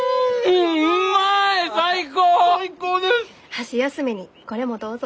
箸休めにこれもどうぞ。